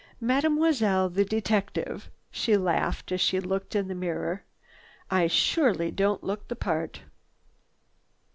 "Mademoiselle the detective," she laughed as she looked in the mirror. "I surely don't look the part."